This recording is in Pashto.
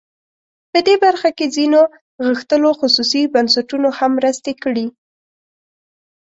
په دې برخه کې ځینو غښتلو خصوصي بنسټونو هم مرستې کړي.